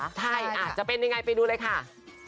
ใช่อาจจะเป็นยังไงไปดูเลยค่ะ